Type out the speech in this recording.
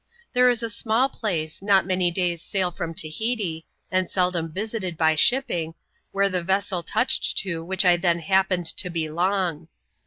There is a small place, not many days' sail from Tahiti, and seldom visited by shipping, where the vessel touched to which I then happened to belong.